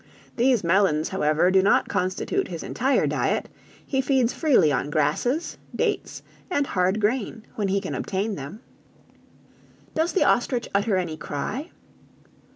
These melons, however, do not constitute his entire diet; he feeds freely on grasses, dates, and hard grain, when he can obtain them." "Does the ostrich utter any cry?"